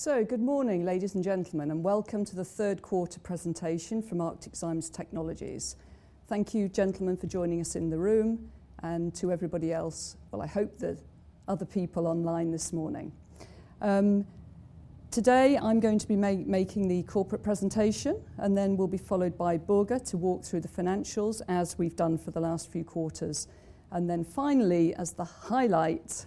So good morning, ladies and gentlemen, and welcome to the third quarter presentation from ArcticZymes Technologies. Thank you, gentlemen, for joining us in the room and to everybody else, well, I hope that other people online this morning. Today I'm going to be making the corporate presentation, and then we'll be followed by Børge to walk through the financials, as we've done for the last few quarters. And then finally, as the highlight,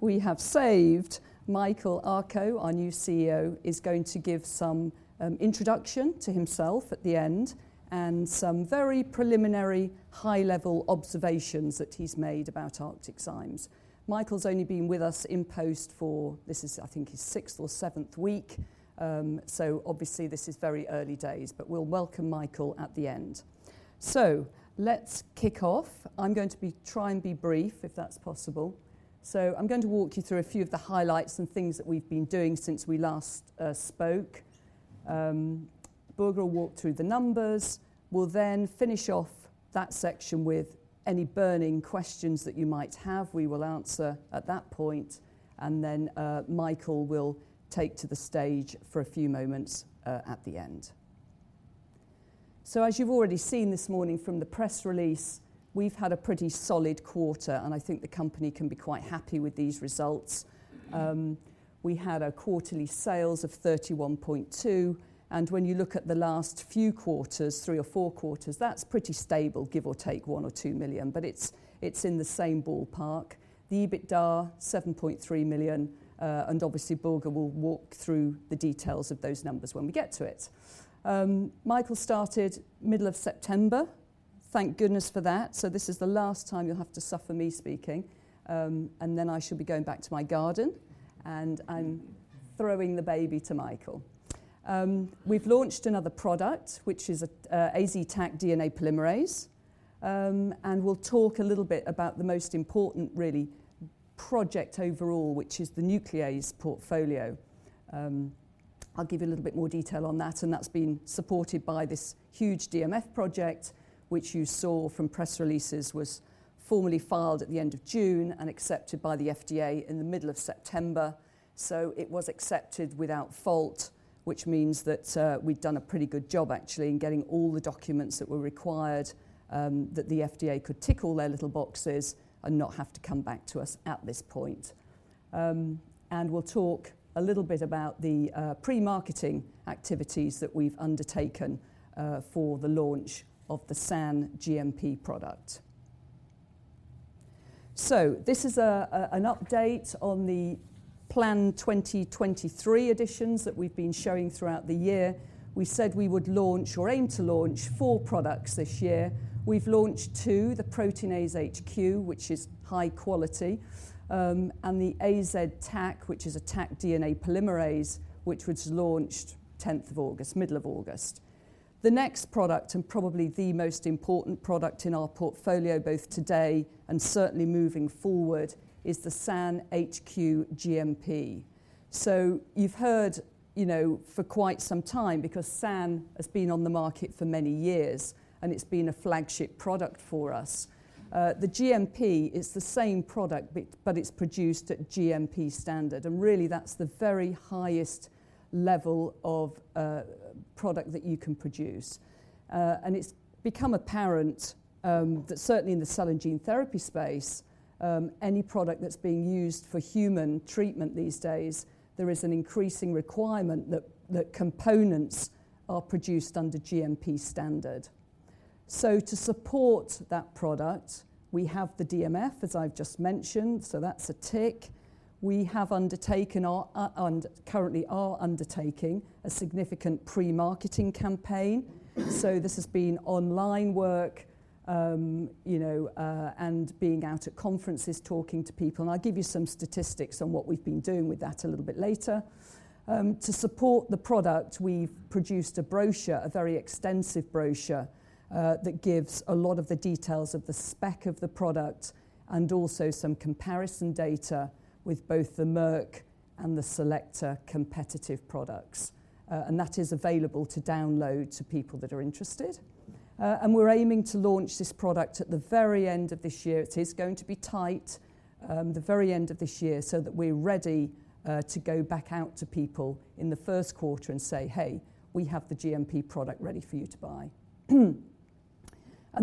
we have saved Michael Akoh, our new CEO, is going to give some introduction to himself at the end and some very preliminary high-level observations that he's made about ArcticZymes Technologies. Michael's only been with us in post for, this is, I think, his sixth or seventh week, so obviously this is very early days, but we'll welcome Michael at the end. So let's kick off. I'm going to try and be brief, if that's possible. So I'm going to walk you through a few of the highlights and things that we've been doing since we last spoke. Børge will walk through the numbers. We'll then finish off that section with any burning questions that you might have, we will answer at that point, and then Michael will take to the stage for a few moments at the end. So as you've already seen this morning from the press release, we've had a pretty solid quarter, and I think the company can be quite happy with these results. We had our quarterly sales of 31.2 million, and when you look at the last few quarters, three or four quarters, that's pretty stable, give or take 1 million or 2 million, but it's in the same ballpark. The EBITDA, 7.3 million, and obviously Børge will walk through the details of those numbers when we get to it. Michael started middle of September. Thank goodness for that. So this is the last time you'll have to suffer me speaking, and then I shall be going back to my garden, and I'm throwing the baby to Michael. We've launched another product, which is, AZ Taq DNA polymerase, and we'll talk a little bit about the most important, really, project overall, which is the nuclease portfolio. I'll give you a little bit more detail on that, and that's been supported by this huge DMF project, which you saw from press releases, was formally filed at the end of June and accepted by the FDA in the middle of September. So it was accepted without fault, which means that, we've done a pretty good job, actually, in getting all the documents that were required, that the FDA could tick all their little boxes and not have to come back to us at this point. And we'll talk a little bit about the pre-marketing activities that we've undertaken, for the launch of the SAN GMP product. So this is an update on the Plan 2023 editions that we've been showing throughout the year. We said we would launch or aim to launch four products this year. We've launched two, the Proteinase HQ, which is high quality, and the AZ Taq, which is a Taq DNA polymerase, which was launched 10th of August, middle of August. The next product, and probably the most important product in our portfolio, both today and certainly moving forward, is the SAN HQ GMP. So you've heard, you know, for quite some time, because SAN has been on the market for many years, and it's been a flagship product for us. The GMP is the same product, but it's produced at GMP standard, and really, that's the very highest level of product that you can produce. And it's become apparent that certainly in the cell and gene therapy space, any product that's being used for human treatment these days, there is an increasing requirement that components are produced under GMP standard. So to support that product, we have the DMF, as I've just mentioned, so that's a tick. We have undertaken our and currently are undertaking a significant pre-marketing campaign. So this has been online work, you know, and being out at conferences, talking to people, and I'll give you some statistics on what we've been doing with that a little bit later. To support the product, we've produced a brochure, a very extensive brochure, that gives a lot of the details of the spec of the product and also some comparison data with both the Merck and the c-LEcta competitive products, and that is available to download to people that are interested. And we're aiming to launch this product at the very end of this year. It is going to be tight, the very end of this year, so that we're ready to go back out to people in the first quarter and say, "Hey, we have the GMP product ready for you to buy."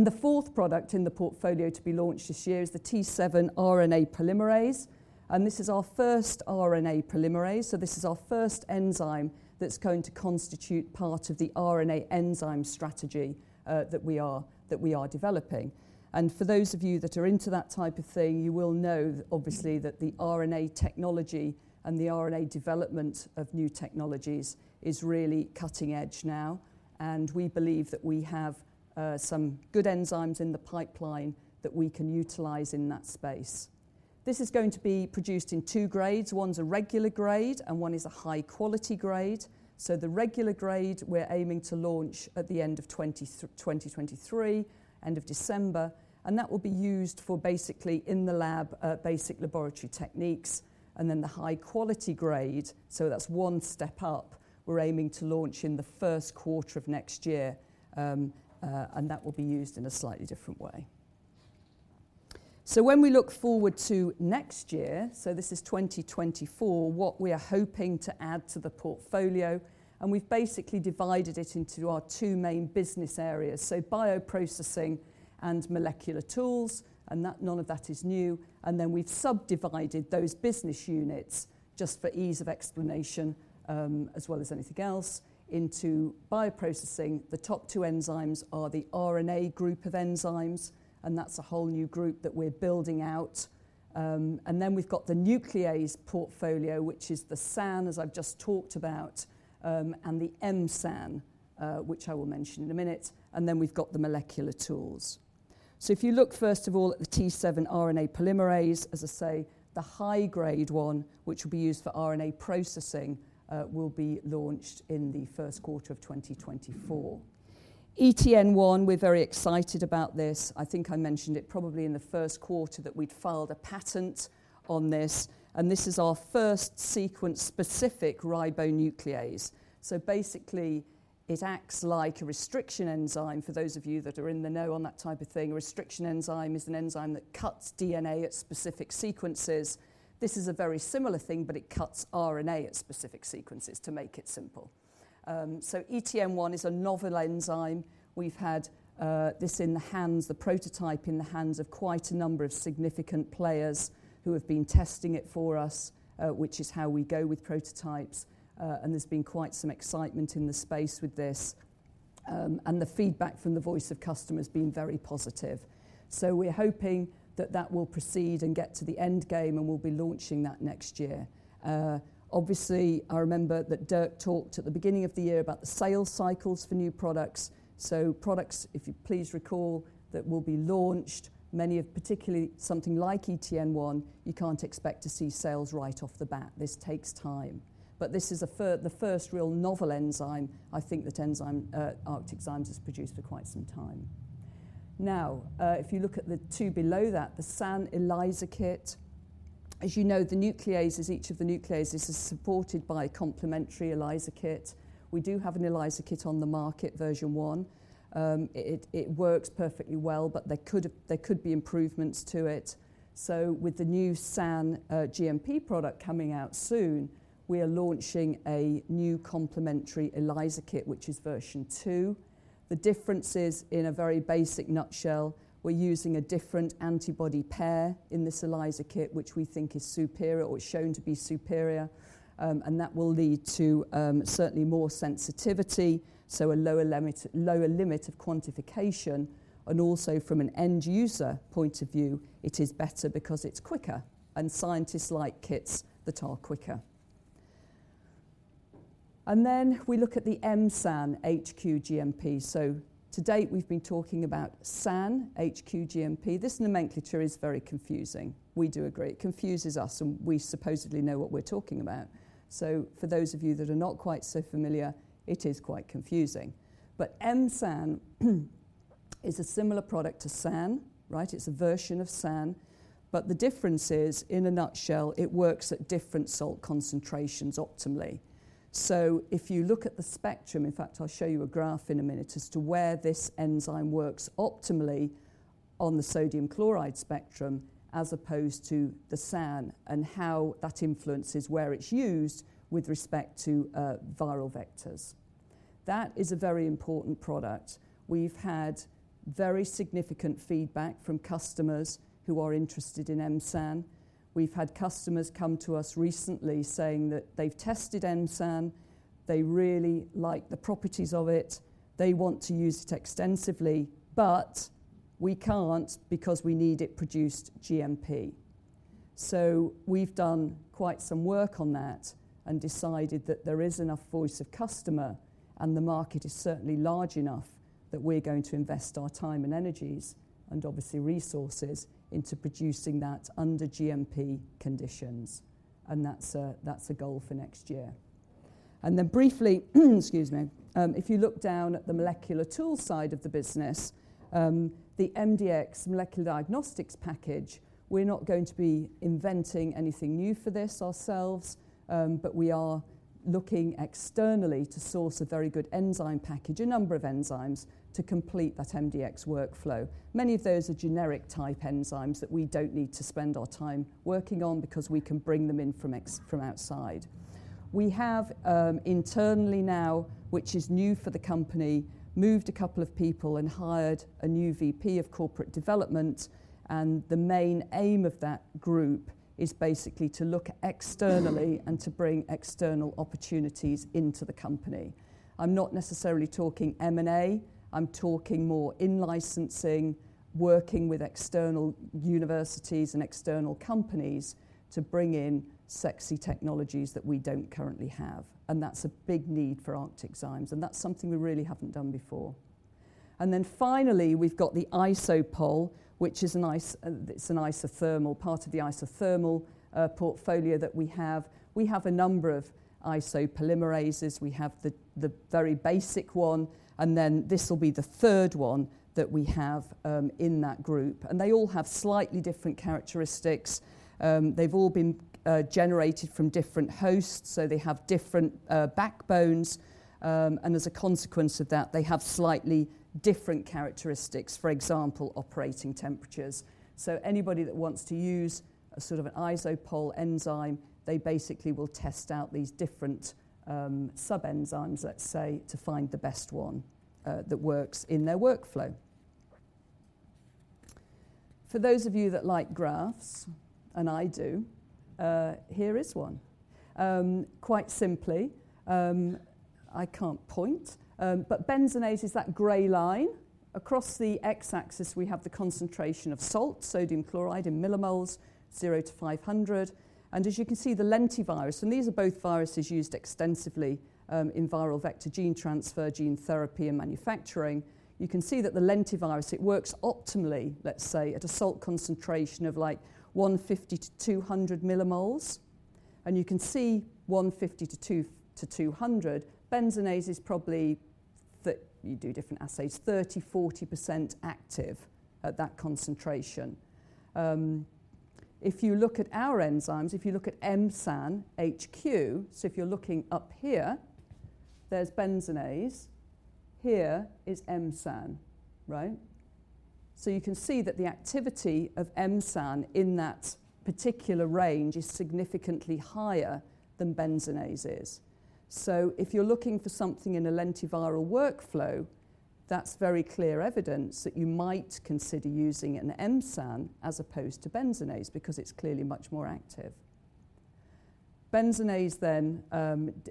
The fourth product in the portfolio to be launched this year is the T7 RNA Polymerase, and this is our first RNA polymerase, so this is our first enzyme that's going to constitute part of the RNA enzyme strategy that we are, that we are developing. For those of you that are into that type of thing, you will know, obviously, that the RNA technology and the RNA development of new technologies is really cutting-edge now, and we believe that we have some good enzymes in the pipeline that we can utilize in that space. This is going to be produced in two grades. One's a regular grade, and one is a high-quality grade. So the regular grade, we're aiming to launch at the end of 2023, end of December, and that will be used for basically in the lab, basic laboratory techniques, and then the high-quality grade, so that's one step up, we're aiming to launch in the first quarter of next year, and that will be used in a slightly different way. So when we look forward to next year, so this is 2024, what we are hoping to add to the portfolio, and we've basically divided it into our two main business areas: so Bioprocessing and Molecular Tools, and none of that is new, and then we've subdivided those business units just for ease of explanation, as well as anything else, into Bioprocessing. The top two enzymes are the RNA group of enzymes, and that's a whole new group that we're building out. And then we've got the nuclease portfolio, which is the SAN, as I've just talked about, and the MSAN, which I will mention in a minute, and then we've got the molecular tools. So if you look, first of all, at the T7 RNA polymerase, as I say, the high-grade one, which will be used for RNA processing, will be launched in the first quarter of 2024. ET-N1, we're very excited about this. I think I mentioned it probably in the first quarter, that we'd filed a patent on this, and this is our first sequence-specific ribonuclease. So basically, it acts like a restriction enzyme, for those of you that are in the know on that type of thing. A restriction enzyme is an enzyme that cuts DNA at specific sequences. This is a very similar thing, but it cuts RNA at specific sequences to make it simple. So ET-N1 is a novel enzyme. We've had this in the hands, the prototype in the hands of quite a number of significant players who have been testing it for us, which is how we go with prototypes, and there's been quite some excitement in the space with this. And the feedback from the voice of customer has been very positive. So we're hoping that that will proceed and get to the end game, and we'll be launching that next year. Obviously, I remember that Dirk talked at the beginning of the year about the sales cycles for new products. So products, if you please recall, that will be launched, many of... Particularly something like ET-N1, you can't expect to see sales right off the bat. This takes time, but this is the first real novel enzyme, I think, that enzyme, ArcticZymes has produced for quite some time. Now, if you look at the two below that, the SAN ELISA kit. As you know, the nucleases, each of the nucleases is supported by a complementary ELISA kit. We do have an ELISA kit on the market, version one. It works perfectly well, but there could be improvements to it. So with the new SAN GMP product coming out soon, we are launching a new complementary ELISA kit, which is version two. The difference is, in a very basic nutshell, we're using a different antibody pair in this ELISA kit, which we think is superior or is shown to be superior, and that will lead to, certainly more sensitivity, so a lower limit, lower limit of quantification, and also from an end user point of view, it is better because it's quicker, and scientists like kits that are quicker. And then we look at the M-SAN HQ GMP. So to date, we've been talking about SAN HQ GMP. This nomenclature is very confusing. We do agree. It confuses us, and we supposedly know what we're talking about. So for those of you that are not quite so familiar, it is quite confusing. But M-SAN is a similar product to SAN, right? It's a version of SAN, but the difference is, in a nutshell, it works at different salt concentrations optimally. So if you look at the spectrum, in fact, I'll show you a graph in a minute, as to where this enzyme works optimally on the sodium chloride spectrum, as opposed to the SAN, and how that influences where it's used with respect to viral vectors. That is a very important product. We've had very significant feedback from customers who are interested in M-SAN. We've had customers come to us recently saying that they've tested M-SAN, they really like the properties of it, they want to use it extensively, but we can't because we need it produced GMP. So we've done quite some work on that and decided that there is enough voice of customer, and the market is certainly large enough that we're going to invest our time and energies, and obviously resources, into producing that under GMP conditions, and that's a goal for next year. Then briefly, excuse me, if you look down at the molecular tools side of the business, the MDX molecular diagnostics package, we're not going to be inventing anything new for this ourselves, but we are looking externally to source a very good enzyme package, a number of enzymes, to complete that MDX workflow. Many of those are generic-type enzymes that we don't need to spend our time working on because we can bring them in from outside. We have, internally now, which is new for the company, moved a couple of people and hired a new VP of corporate development, and the main aim of that group is basically to look externally and to bring external opportunities into the company. I'm not necessarily talking M&A, I'm talking more in-licensing, working with external universities and external companies to bring in sexy technologies that we don't currently have, and that's a big need for ArcticZymes, and that's something we really haven't done before. And then finally, we've got the IsoPol, which is—it's an isothermal, part of the isothermal portfolio that we have. We have IsoPol polymerases, we have the very basic one, and then this will be the third one that we have in that group. And they all have slightly different characteristics. They've all been generated from different hosts, so they have different backbones, and as a consequence of that, they have slightly different characteristics. For example, operating temperatures. So anybody that wants to use a sort of an IsoPol enzyme, they basically will test out these different, sub-enzymes, let's say, to find the best one, that works in their workflow. For those of you that like graphs, and I do, here is one. Quite simply, I can't point, but Benzonase is that gray line. Across the x-axis, we have the concentration of salt, sodium chloride in millimoles, zero-500, and as you can see, the lentivirus, and these are both viruses used extensively, in viral vector gene transfer, gene therapy, and manufacturing. You can see that the lentivirus, it works optimally, let's say, at a salt concentration of like 150-200 millimoles, and you can see 150-200, Benzonase is probably th... You do different assays, 30%-40% active at that concentration. If you look at our enzymes, if you look at M-SAN HQ, so if you're looking up here, there's benzonase. Here is M-SAN, right? So you can see that the activity of M-SAN in that particular range is significantly higher than benzonase is. So if you're looking for something in a lentiviral workflow, that's very clear evidence that you might consider using a M-SAN as opposed to benzonase, because it's clearly much more active. Benzonase then,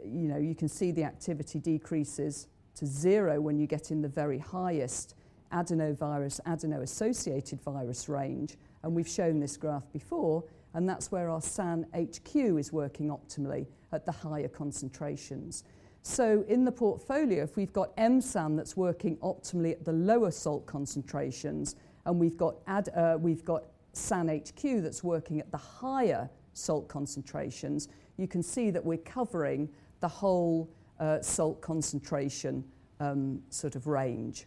you know, you can see the activity decreases to zero when you get in the very highest adenovirus, adeno-associated virus range, and we've shown this graph before, and that's where our SAN HQ is working optimally at the higher concentrations. So in the portfolio, if we've got M-SAN that's working optimally at the lower salt concentrations, and we've got, we've got SAN HQ that's working at the higher salt concentrations, you can see that we're covering the whole salt concentration sort of range.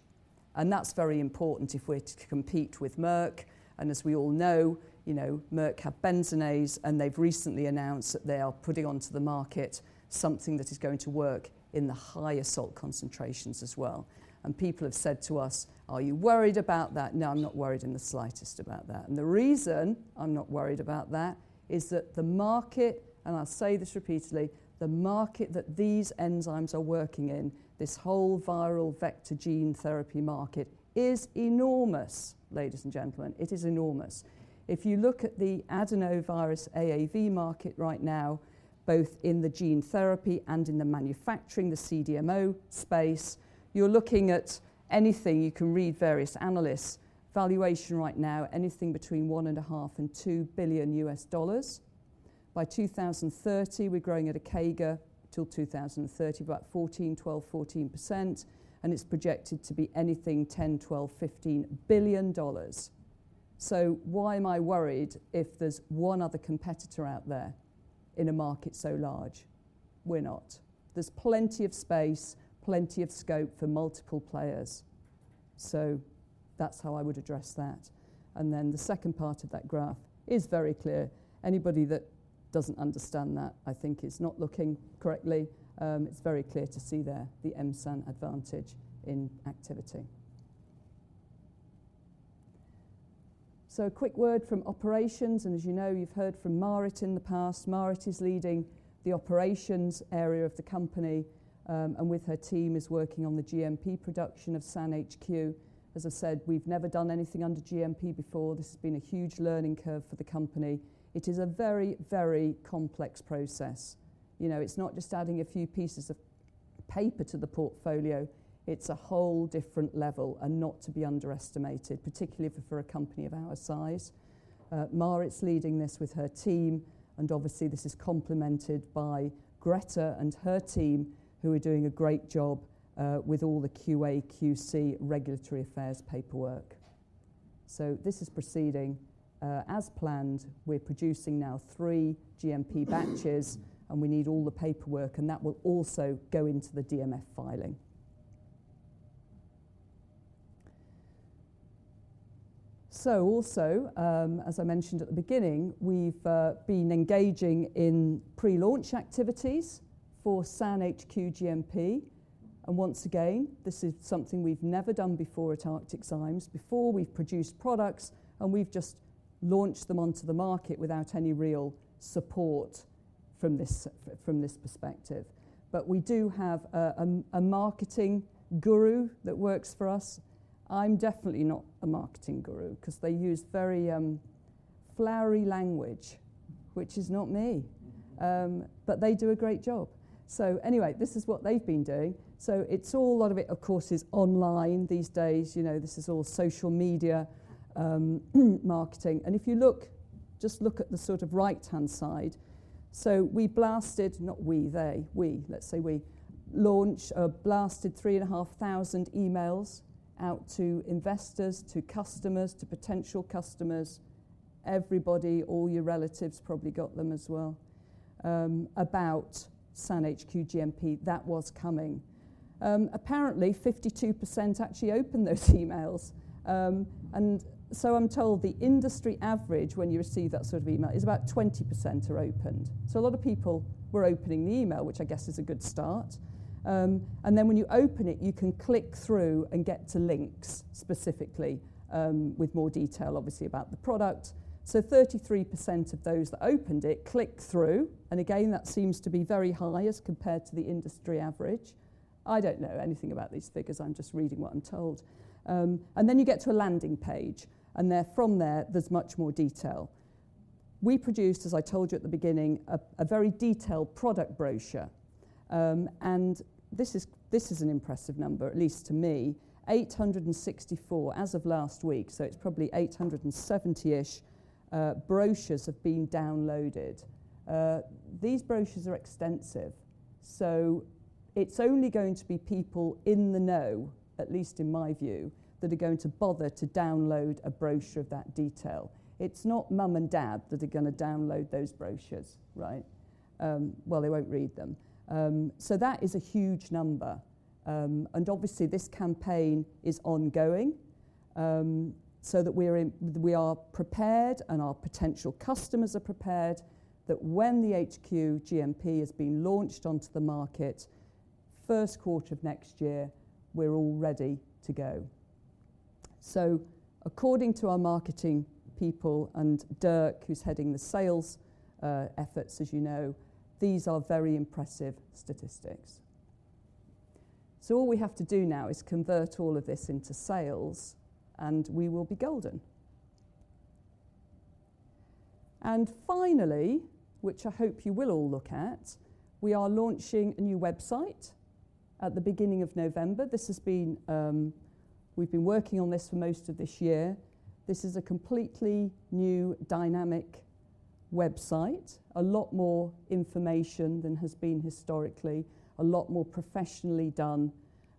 And that's very important if we're to compete with Merck, and as we all know, you know, Merck have Benzonase, and they've recently announced that they are putting onto the market something that is going to work in the higher salt concentrations as well. And people have said to us, "Are you worried about that?" No, I'm not worried in the slightest about that. And the reason I'm not worried about that is that the market, and I'll say this repeatedly, the market that these enzymes are working in, this whole viral vector gene therapy market, is enormous, ladies and gentlemen. It is enormous. If you look at the Adenovirus AAV market right now, both in the gene therapy and in the manufacturing, the CDMO space, you're looking at anything, you can read various analysts, valuation right now, anything between $1.5 billion-$2 billion. By 2030, we're growing at a CAGR to 2030, about 12%-14%, and it's projected to be anything $10 billion-$15 billion. So why am I worried if there's one other competitor out there in a market so large? We're not. There's plenty of space, plenty of scope for multiple players, so that's how I would address that. And then the second part of that graph is very clear. Anybody that doesn't understand that, I think is not looking correctly. It's very clear to see there, the M-SAN advantage in activity. So a quick word from operations, and as you know, you've heard from Marit in the past. Marit is leading the operations area of the company, and with her team, is working on the GMP production of SAN HQ. As I said, we've never done anything under GMP before. This has been a huge learning curve for the company. It is a very, very complex process. You know, it's not just adding a few pieces of paper to the portfolio, it's a whole different level and not to be underestimated, particularly for a company of our size. Marit's leading this with her team, and obviously, this is complemented by Grete and her team, who are doing a great job with all the QA, QC, regulatory affairs paperwork. So this is proceeding as planned. We're producing now three GMP batches, and we need all the paperwork, and that will also go into the DMF filing. So also, as I mentioned at the beginning, we've been engaging in pre-launch activities for SAN HQ GMP, and once again, this is something we've never done before at ArcticZymes Technologies. Before, we've produced products, and we've just launched them onto the market without any real support from this perspective. But we do have a marketing guru that works for us. I'm definitely not a marketing guru, 'cause they use very flowery language, which is not me, but they do a great job. So anyway, this is what they've been doing. So it's all... a lot of it, of course, is online these days. You know, this is all social media marketing. If you look, just look at the sort of right-hand side. So we blasted 3,500 emails out to investors, to customers, to potential customers, everybody, all your relatives probably got them as well, about SAN HQ GMP that was coming. Apparently, 52% actually opened those emails. And so I'm told the industry average, when you receive that sort of email, is about 20% are opened. So a lot of people were opening the email, which I guess is a good start. And then when you open it, you can click through and get to links, specifically, with more detail, obviously, about the product. So 33% of those that opened it clicked through, and again, that seems to be very high as compared to the industry average. I don't know anything about these figures, I'm just reading what I'm told. And then you get to a landing page, and there, from there, there's much more detail. We produced, as I told you at the beginning, a very detailed product brochure. And this is an impressive number, at least to me. 864, as of last week, so it's probably 870-ish brochures have been downloaded. These brochures are extensive, so it's only going to be people in the know, at least in my view, that are going to bother to download a brochure of that detail. It's not mom and dad that are gonna download those brochures, right? Well, they won't read them. So that is a huge number. And obviously, this campaign is ongoing, so that we are prepared, and our potential customers are prepared, that when the HQ GMP has been launched onto the market, first quarter of next year, we're all ready to go. So according to our marketing people and Dirk, who's heading the sales efforts, as you know, these are very impressive statistics. So all we have to do now is convert all of this into sales, and we will be golden. And finally, which I hope you will all look at, we are launching a new website at the beginning of November. This has been, we've been working on this for most of this year. This is a completely new dynamic website. A lot more information than has been historically, a lot more professionally done,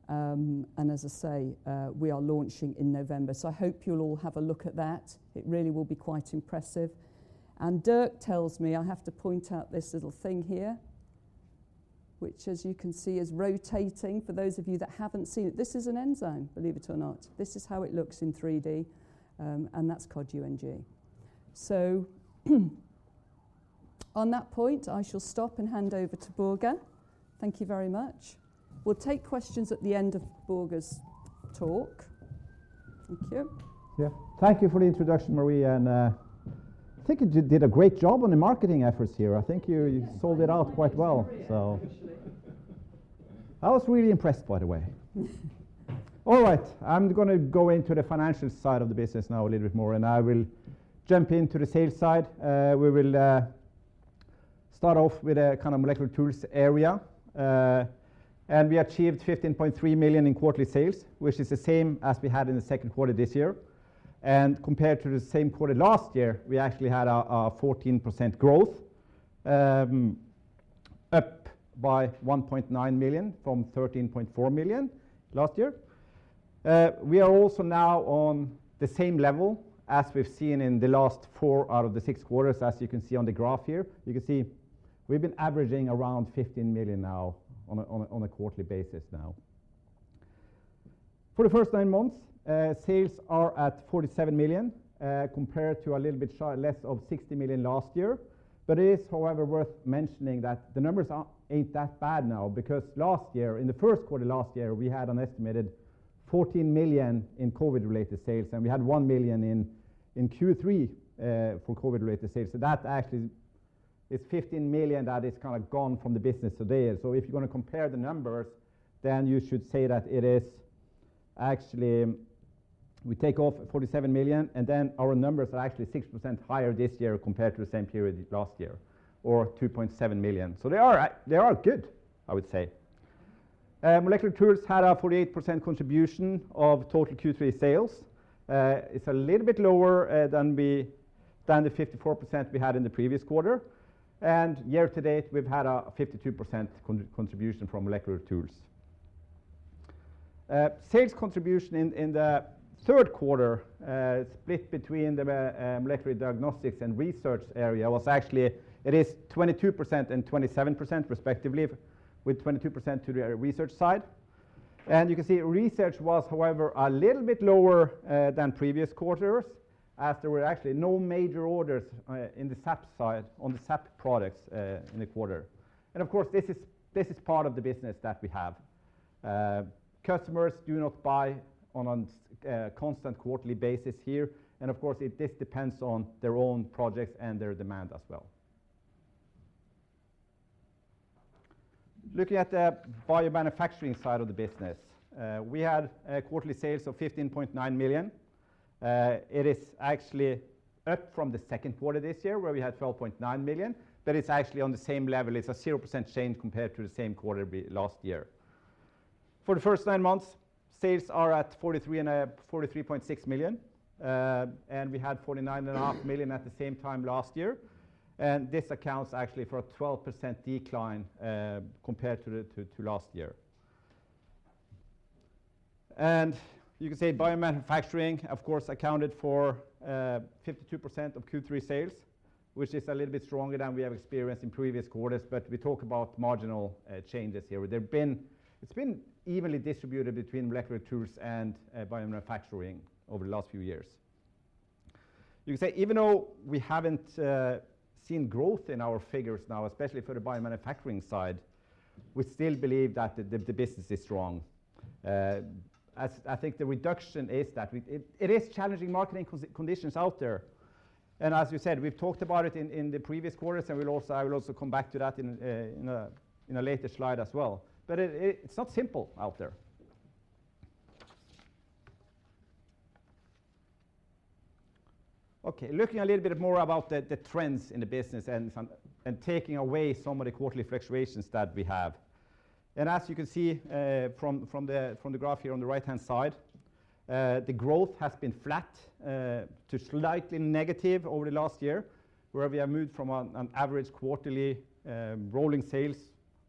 and as I say, we are launching in November. So I hope you'll all have a look at that. It really will be quite impressive. And Dirk tells me I have to point out this little thing here, which, as you can see, is rotating. For those of you that haven't seen it, this is an enzyme, believe it or not. This is how it looks in 3D, and that's Cod UNG. So, on that point, I shall stop and hand over to Børge. Thank you very much. We'll take questions at the end of Børge's talk. Thank you. Yeah. Thank you for the introduction, Marie, and I think you did a great job on the marketing efforts here. I think you- Thank you. You sold it out quite well, so. Actually. I was really impressed, by the way. All right. I'm gonna go into the financial side of the business now a little bit more, and I will jump into the sales side. We will start off with a kind of molecular tools area, and we achieved 15.3 million in quarterly sales, which is the same as we had in the second quarter this year. Compared to the same quarter last year, we actually had a 14% growth, up by 1.9 million, from 13.4 million last year. We are also now on the same level as we've seen in the last four out of the six quarters, as you can see on the graph here. You can see we've been averaging around 15 million now on a quarterly basis now. For the first nine months, sales are at 47 million, compared to a little bit less of 60 million last year. But it is, however, worth mentioning that the numbers are ain't that bad now, because last year, in the first quarter last year, we had an estimated 14 million in COVID-related sales, and we had 1 million in Q3 for COVID-related sales. So that actually is 15 million that is kind of gone from the business today. So if you're gonna compare the numbers, then you should say that it is actually... We take off 47 million, and then our numbers are actually 6% higher this year compared to the same period last year, or 2.7 million. So they are, they are good, I would say. Molecular tools had a 48% contribution of total Q3 sales. It's a little bit lower than the 54% we had in the previous quarter, and year to date, we've had a 52% contribution from molecular tools. Sales contribution in the third quarter, split between the molecular diagnostics and research area, was actually. It is 22% and 27% respectively, with 22% to the research side. And you can see research was, however, a little bit lower than previous quarters, as there were actually no major orders in the SAN side, on the SAN products, in the quarter. And of course, this is part of the business that we have. Customers do not buy on a constant quarterly basis here, and of course, this depends on their own projects and their demand as well. Looking at the biomanufacturing side of the business, we had quarterly sales of 15.9 million. It is actually up from the second quarter this year, where we had 12.9 million, but it's actually on the same level. It's a 0% change compared to the same quarter last year. For the first nine months, sales are at 43.6 million, and we had 49.5 million at the same time last year, and this accounts actually for a 12% decline compared to last year. You can say biomanufacturing, of course, accounted for 52% of Q3 sales, which is a little bit stronger than we have experienced in previous quarters, but we talk about marginal changes here, it's been evenly distributed between molecular tools and biomanufacturing over the last few years. You can say, even though we haven't seen growth in our figures now, especially for the biomanufacturing side, we still believe that the business is strong. As I think the reduction is that it is challenging market conditions out there, and as we said, we've talked about it in the previous quarters, and we'll also, I will also come back to that in a later slide as well. But it's not simple out there. Okay, looking a little bit more about the trends in the business and taking away some of the quarterly fluctuations that we have. As you can see, from the graph here on the right-hand side, the growth has been flat to slightly negative over the last year, where we have moved from an average quarterly rolling sales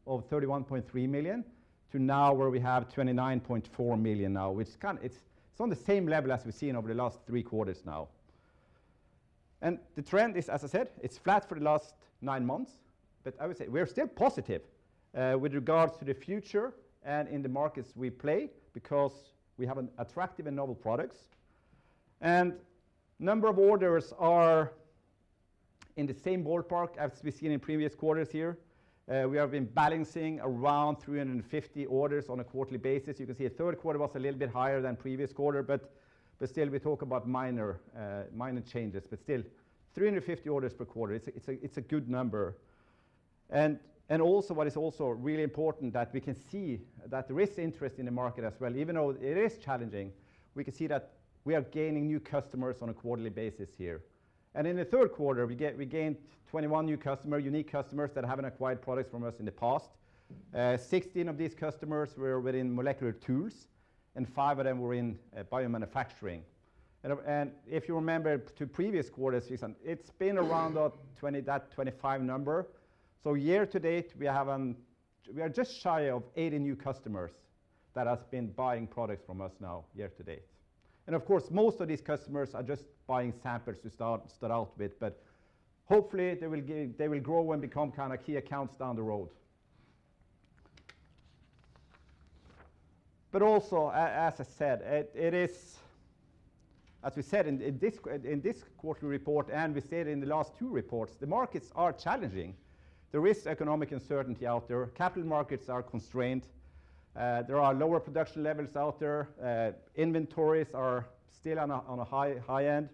of 31.3 million, to now where we have 29.4 million now, which is kind of, it's on the same level as we've seen over the last three quarters now. The trend is, as I said, it's flat for the last nine months, but I would say we're still positive with regards to the future and in the markets we play, because we have an attractive and novel products. Number of orders are in the same ballpark as we've seen in previous quarters here. We have been balancing around 350 orders on a quarterly basis. You can see the third quarter was a little bit higher than previous quarter, but still, we talk about minor changes, but still, 350 orders per quarter, it's a good number. And also, what is also really important that we can see that there is interest in the market as well. Even though it is challenging, we can see that we are gaining new customers on a quarterly basis here. And in the third quarter, we gained 21 new customer, unique customers that haven't acquired products from us in the past. 16 of these customers were within Molecular Tools, and five of them were in Bioprocessing. If you remember to previous quarters, it's been around that 20, that 25 number. So year to date, we have, we are just shy of 80 new customers that has been buying products from us now, year to date. And of course, most of these customers are just buying samples to start out with, but hopefully they will get, they will grow and become kind of key accounts down the road. But also, as I said, as we said in this quarterly report, and we said in the last two reports, the markets are challenging. There is economic uncertainty out there, capital markets are constrained, there are lower production levels out there, inventories are still on a high end,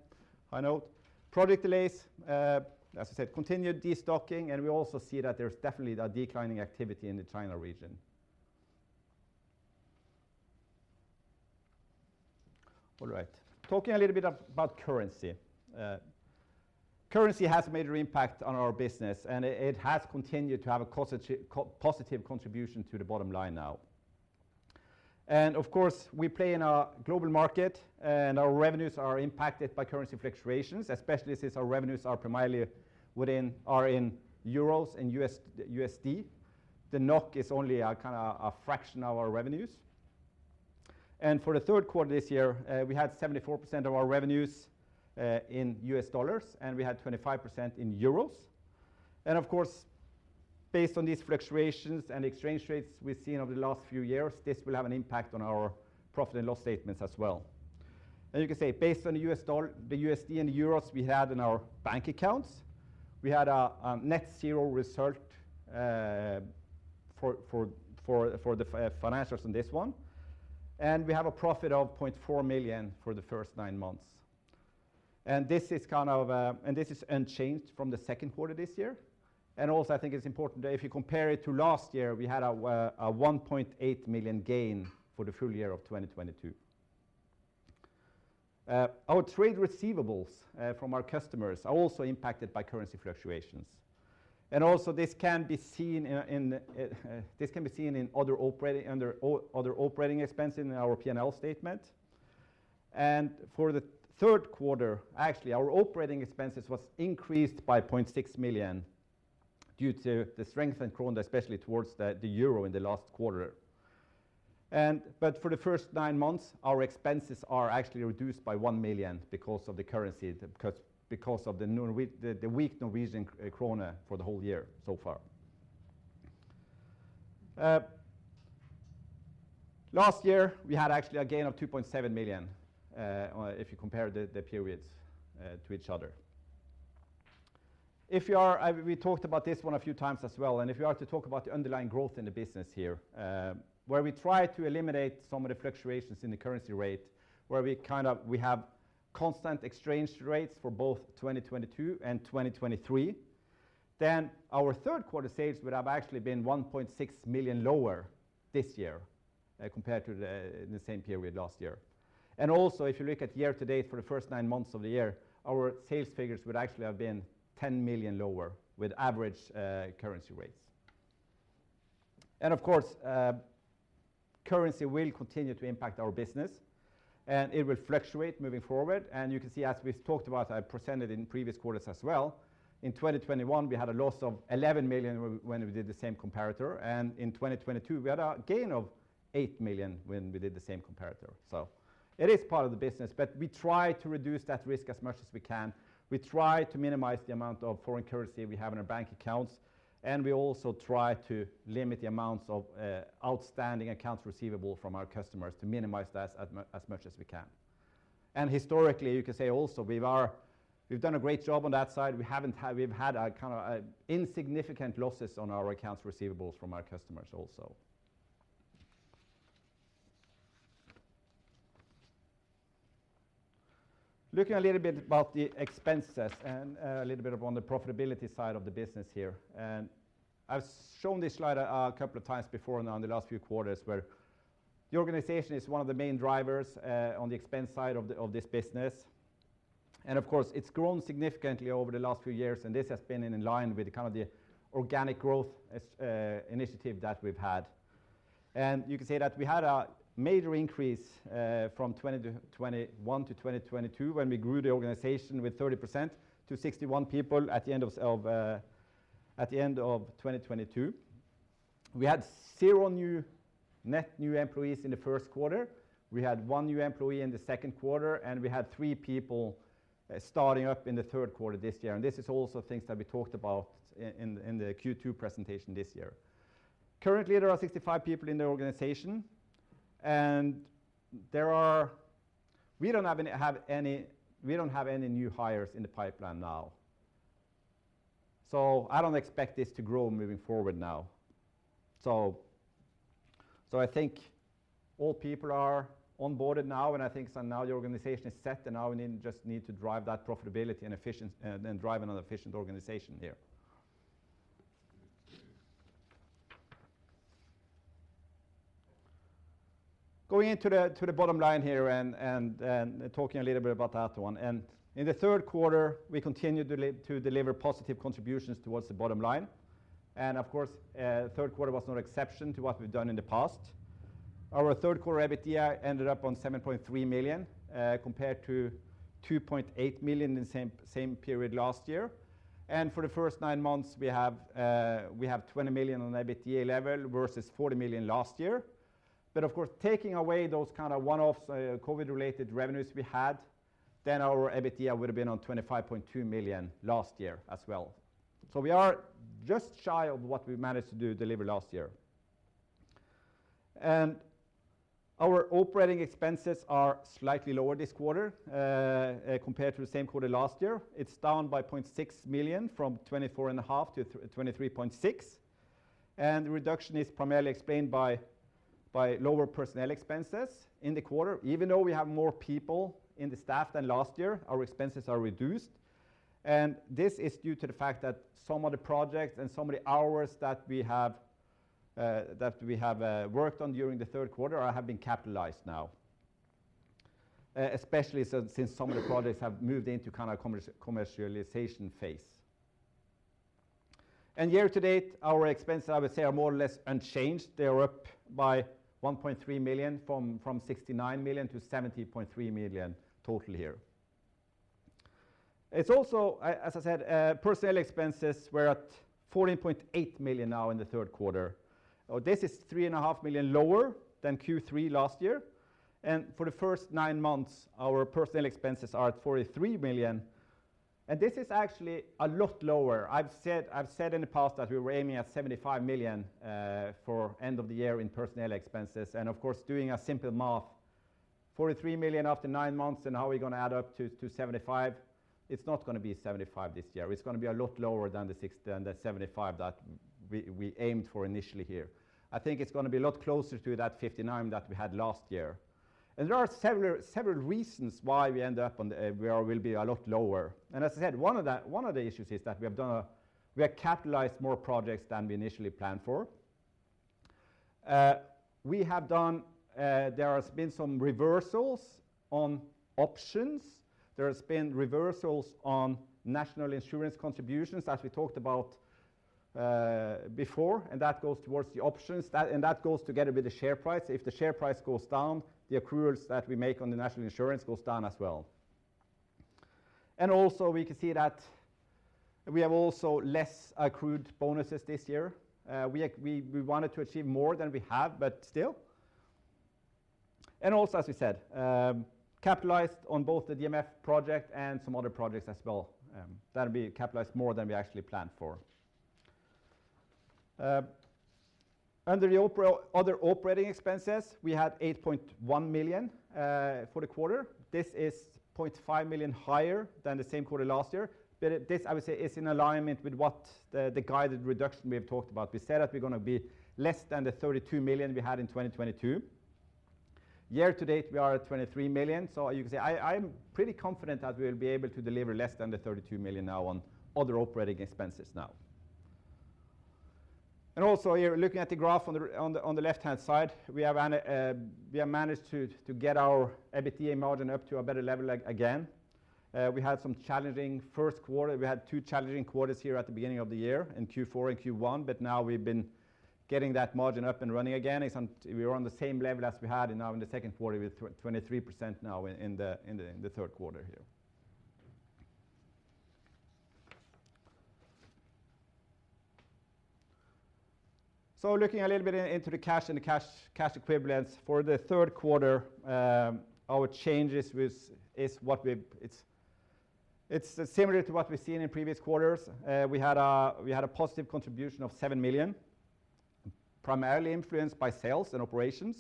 high note, product delays, as I said, continued destocking, and we also see that there's definitely a declining activity in the China region. All right. Talking a little bit about currency. Currency has a major impact on our business, and it has continued to have a positive contribution to the bottom line now. And of course, we play in a global market, and our revenues are impacted by currency fluctuations, especially since our revenues are primarily are in euros and U.S., USD. The NOK is only a kind of a fraction of our revenues. For the third quarter this year, we had 74% of our revenues in U.S. dollars, and we had 25% in euros. Of course, based on these fluctuations and exchange rates we've seen over the last few years, this will have an impact on our profit and loss statements as well. You can say, based on the U.S. dollar, the USD and the euros we had in our bank accounts, we had a net zero result for the financials on this one, and we have a profit of 0.4 million for the first nine months. This is kind of unchanged from the second quarter this year. I think it's important that if you compare it to last year, we had a 1.8 million gain for the full year of 2022. Our trade receivables from our customers are also impacted by currency fluctuations. This can be seen in other operating expenses in our P&L statement. For the third quarter, actually, our operating expenses was increased by 0.6 million due to the strength in kroner, especially towards the euro in the last quarter. But for the first nine months, our expenses are actually reduced by 1 million because of the currency, because of the weak Norwegian kroner for the whole year so far. Last year, we had actually a gain of 2.7 million, if you compare the periods to each other. We talked about this one a few times as well, and if you are to talk about the underlying growth in the business here, where we try to eliminate some of the fluctuations in the currency rate, where we have constant exchange rates for both 2022 and 2023, then our third quarter sales would have actually been 1.6 million lower this year, compared to the same period last year. And also, if you look at year to date for the first nine months of the year, our sales figures would actually have been 10 million lower with average currency rates. And of course, currency will continue to impact our business. And it will fluctuate moving forward. You can see, as we've talked about, I presented in previous quarters as well, in 2021, we had a loss of 11 million when we did the same comparator, and in 2022, we had a gain of 8 million when we did the same comparator. So it is part of the business, but we try to reduce that risk as much as we can. We try to minimize the amount of foreign currency we have in our bank accounts, and we also try to limit the amounts of outstanding accounts receivable from our customers to minimize that as much as we can. And historically, you can say also, we've done a great job on that side. We haven't had. We've had a kind of insignificant losses on our accounts receivables from our customers also. Looking a little bit about the expenses and a little bit on the profitability side of the business here. I've shown this slide a couple of times before now in the last few quarters, where the organization is one of the main drivers on the expense side of this business. Of course, it's grown significantly over the last few years, and this has been in line with kind of the organic growth initiative that we've had. You can say that we had a major increase from 2020 to 2021 to 2022, when we grew the organization with 30% to 61 people at the end of 2022. We had zero net new employees in the first quarter. We had one new employee in the second quarter, and we had three people starting up in the third quarter this year, and this is also things that we talked about in the Q2 presentation this year. Currently, there are 65 people in the organization, and there are... We don't have any new hires in the pipeline now. So I don't expect this to grow moving forward now. So, I think all people are on boarded now, and I think so now the organization is set, and now we just need to drive that profitability and efficiency and drive an efficient organization here. Going into the bottom line here and talking a little bit about that one. In the third quarter, we continued to deliver positive contributions towards the bottom line, and of course, third quarter was no exception to what we've done in the past. Our third quarter EBITDA ended up on 7.3 million, compared to 2.8 million in the same period last year. And for the first nine months, we have 20 million on EBITDA level versus 40 million last year. But of course, taking away those kind of one-off, COVID-related revenues we had, then our EBITDA would have been on 25.2 million last year as well. So we are just shy of what we managed to deliver last year. And our operating expenses are slightly lower this quarter, compared to the same quarter last year. It's down by 0.6 million, from 24.5 million to 23.6 million, and the reduction is primarily explained by, by lower personnel expenses in the quarter. Even though we have more people in the staff than last year, our expenses are reduced, and this is due to the fact that some of the projects and some of the hours that we have, that we have, worked on during the third quarter have been capitalized now, especially so since some of the projects have moved into kind of commercial, commercialization phase. Year to date, our expenses, I would say, are more or less unchanged. They are up by 1.3 million, from 69 million to 70.3 million total here. It's also, as I, as I said, personnel expenses were at 14.8 million now in the third quarter. This is 3.5 million lower than Q3 last year, and for the first nine months, our personnel expenses are at 43 million, and this is actually a lot lower. I've said, I've said in the past that we were aiming at 75 million, for end of the year in personnel expenses and, of course, doing a simple math, 43 million after nine months, and how we're going to add up to, to 75? It's not going to be 75 this year. It's going to be a lot lower than the 60-- than the 75 that we, we aimed for initially here. I think it's going to be a lot closer to that 59 that we had last year. There are several, several reasons why we end up on the... we are, will be a lot lower. And as I said, one of the, one of the issues is that we have done a, we have capitalized more projects than we initially planned for. There has been some reversals on options. There has been reversals on national insurance contributions, as we talked about, before, and that goes towards the options. That, and that goes together with the share price. If the share price goes down, the accruals that we make on the national insurance goes down as well. And also, we can see that we have also less accrued bonuses this year. We, we, we wanted to achieve more than we have, but still. And also, as we said, capitalized on both the DMF project and some other projects as well. That'll be capitalized more than we actually planned for. Under the other operating expenses, we had 8.1 million for the quarter. This is 0.5 million higher than the same quarter last year, but this, I would say, is in alignment with what the, the guided reduction we have talked about. We said that we're going to be less than the 32 million we had in 2022. Year to date, we are at 23 million, so you can say I, I'm pretty confident that we will be able to deliver less than the 32 million now on other operating expenses now. And also, you're looking at the graph on the left-hand side. We have managed to get our EBITDA margin up to a better level again. We had some challenging first quarter. We had two challenging quarters here at the beginning of the year, in Q4 and Q1, but now we've been getting that margin up and running again. It's. We are on the same level as we had. Now in the second quarter with 23% now in the third quarter here. So looking a little bit into the cash and the cash equivalents for the third quarter, our changes. It's similar to what we've seen in previous quarters. We had a positive contribution of 7 million, primarily influenced by sales and operations.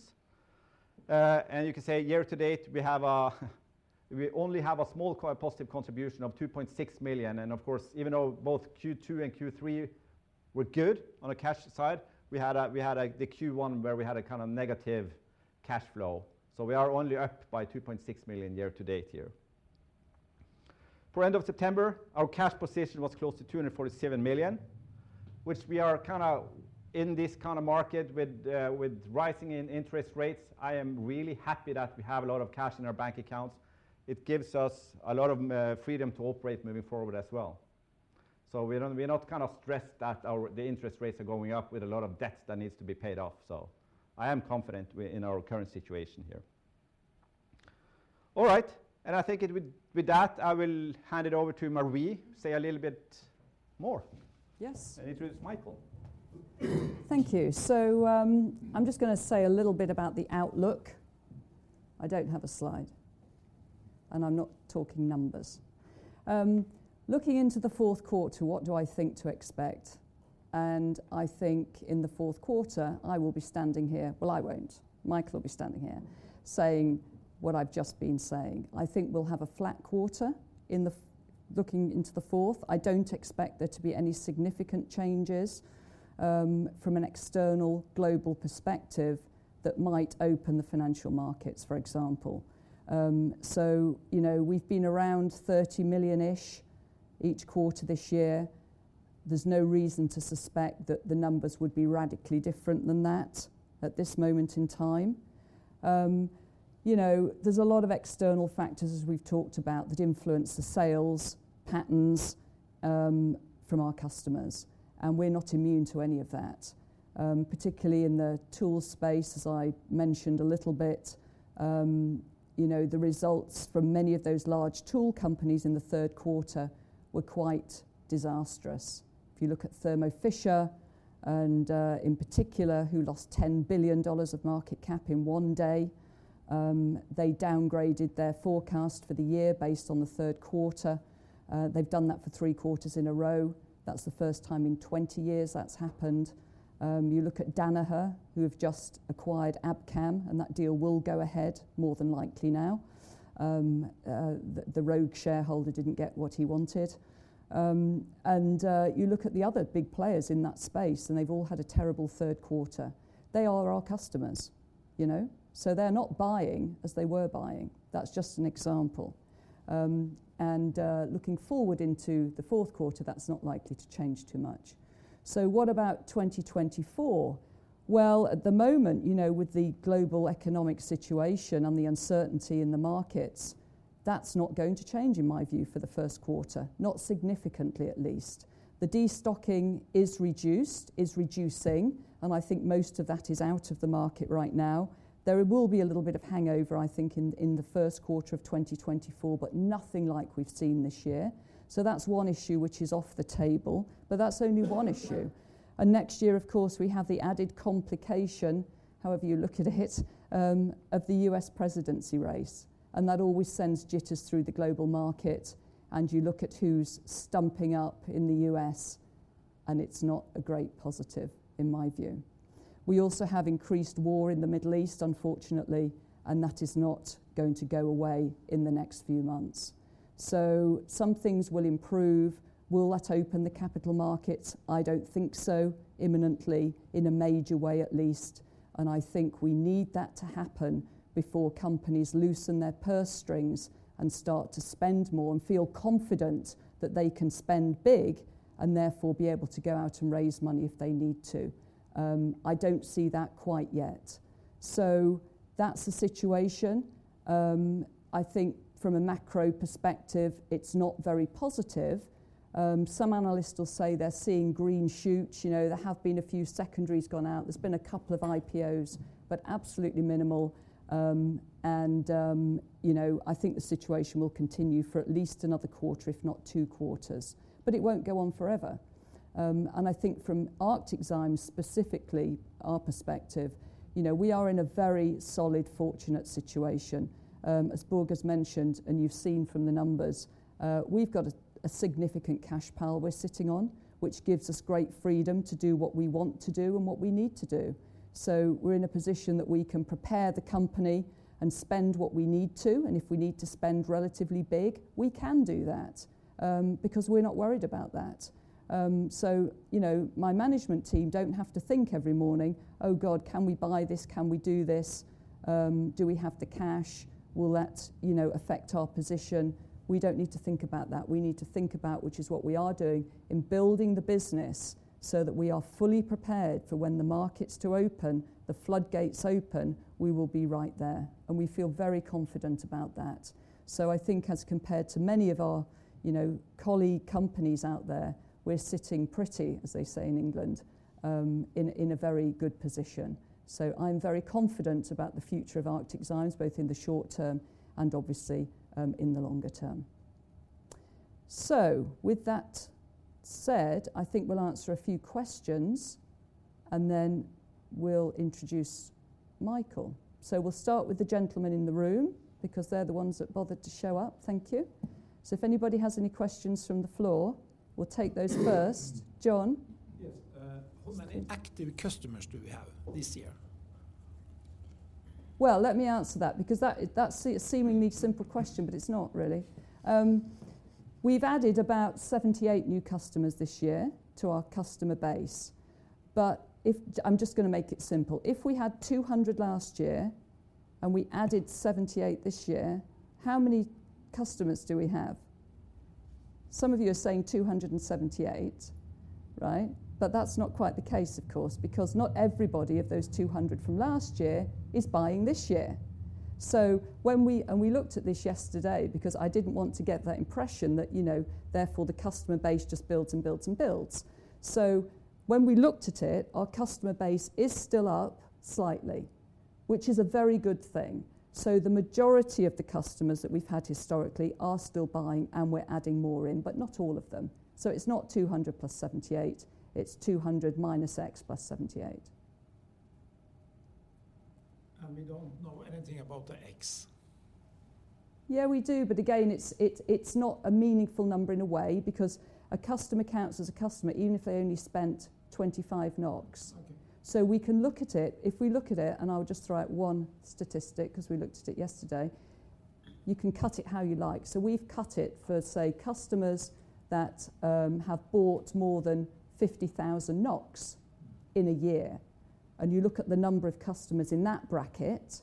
And you can say year to date, we only have a small positive contribution of 2.6 million. And of course, even though both Q2 and Q3 were good on the cash side, the Q1, where we had a kind of negative cash flow. So we are only up by 2.6 million year to date here. For end of September, our cash position was close to 247 million, which we are kinda in this kind of market with rising in interest rates. I am really happy that we have a lot of cash in our bank accounts. It gives us a lot of freedom to operate moving forward as well. So we're not, we're not kind of stressed that the interest rates are going up with a lot of debts that needs to be paid off, so I am confident in our current situation here. All right, and I think with that, I will hand it over to Marie, say a little bit more. Yes. Introduce Michael. Thank you. So, I'm just gonna say a little bit about the outlook. I don't have a slide, and I'm not talking numbers. Looking into the fourth quarter, what do I think to expect? And I think in the fourth quarter, I will be standing here... Well, I won't. Michael will be standing here saying what I've just been saying. I think we'll have a flat quarter in the fourth. I don't expect there to be any significant changes from an external global perspective that might open the financial markets, for example. So, you know, we've been around 30 million-ish each quarter this year. There's no reason to suspect that the numbers would be radically different than that at this moment in time. You know, there's a lot of external factors, as we've talked about, that influence the sales patterns from our customers, and we're not immune to any of that. Particularly in the tool space, as I mentioned a little bit, you know, the results from many of those large tool companies in the third quarter were quite disastrous. If you look at Thermo Fisher, and in particular, who lost $10 billion of market cap in 1 day, they downgraded their forecast for the year based on the third quarter. They've done that for three quarters in a row. That's the first time in 20 years that's happened. You look at Danaher, who have just acquired Abcam, and that deal will go ahead, more than likely now. The rogue shareholder didn't get what he wanted. You look at the other big players in that space, and they've all had a terrible third quarter. They are our customers, you know, so they're not buying as they were buying. That's just an example. Looking forward into the fourth quarter, that's not likely to change too much. So what about 2024? Well, at the moment, you know, with the global economic situation and the uncertainty in the markets, that's not going to change, in my view, for the first quarter, not significantly, at least. The destocking is reduced, is reducing, and I think most of that is out of the market right now. There will be a little bit of hangover, I think, in the first quarter of 2024, but nothing like we've seen this year. So that's one issue which is off the table, but that's only one issue. And next year, of course, we have the added complication, however you look at it, of the U.S. presidency race, and that always sends jitters through the global market, and you look at who's stumping up in the U.S., and it's not a great positive, in my view. We also have increased war in the Middle East, unfortunately, and that is not going to go away in the next few months. So some things will improve. Will that open the capital markets? I don't think so, imminently, in a major way, at least, and I think we need that to happen before companies loosen their purse strings and start to spend more and feel confident that they can spend big and therefore be able to go out and raise money if they need to. I don't see that quite yet. So that's the situation. I think from a macro perspective, it's not very positive. Some analysts will say they're seeing green shoots. You know, there have been a few secondaries gone out. There's been a couple of IPOs, but absolutely minimal, and, you know, I think the situation will continue for at least another quarter, if not two quarters, but it won't go on forever. And I think from ArcticZymes, specifically our perspective, you know, we are in a very solid, fortunate situation. As Børge has mentioned, and you've seen from the numbers, we've got a significant cash pile we're sitting on, which gives us great freedom to do what we want to do and what we need to do. So we're in a position that we can prepare the company and spend what we need to, and if we need to spend relatively big, we can do that, because we're not worried about that. So, you know, my management team don't have to think every morning: "Oh, God, can we buy this? Can we do this? Do we have the cash? Will that, you know, affect our position?" We don't need to think about that. We need to think about, which is what we are doing, in building the business so that we are fully prepared for when the market's to open, the floodgates open, we will be right there, and we feel very confident about that. So I think as compared to many of our, you know, colleague companies out there, we're sitting pretty, as they say in England, in a very good position. So I'm very confident about the future of ArcticZymes, both in the short term and obviously, in the longer term. So with that said, I think we'll answer a few questions, and then we'll introduce Michael. So we'll start with the gentleman in the room, because they're the ones that bothered to show up. Thank you. So if anybody has any questions from the floor, we'll take those first. John? Yes, how many active customers do we have this year? Well, let me answer that, because that's a seemingly simple question, but it's not really. We've added about 78 new customers this year to our customer base. But if I'm just gonna make it simple. If we had 200 last year, and we added 78 this year, how many customers do we have? Some of you are saying 278, right? But that's not quite the case, of course, because not everybody of those 200 from last year is buying this year. So when we... And we looked at this yesterday because I didn't want to get the impression that, you know, therefore, the customer base just builds and builds and builds. So when we looked at it, our customer base is still up slightly, which is a very good thing. So the majority of the customers that we've had historically are still buying, and we're adding more in, but not all of them. So it's not 200 plus 78, it's 200 minus X plus 78. We don't know anything about the X? Yeah, we do, but again, it's not a meaningful number in a way, because a customer counts as a customer, even if they only spent 25 NOK. Okay. So we can look at it. If we look at it, and I'll just throw out one statistic, 'cause we looked at it yesterday, you can cut it how you like. So we've cut it for, say, customers that have bought more than 50,000 NOK in a year, and you look at the number of customers in that bracket